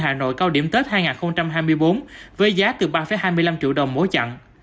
hà nội cao điểm tết hai nghìn hai mươi bốn với giá từ ba hai mươi năm triệu đồng mỗi chặng